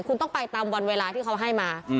คุณต้องไปตามวันเวลาที่เขาให้มา